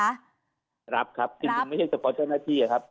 รับครับจริงไม่ใช่เฉพาะเจ้าหน้าที่ครับ